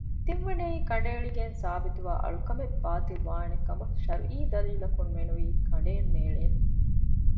ތިންވަނައީ ކަނޑައެޅިގެން ސާބިތުވާ އަޅުކަމެއް ބާޠިލުވާނެކަމަށް ޝަރުޢީ ދަލީލަކުންމެނުވީ ކަނޑައެއްނޭޅޭނެ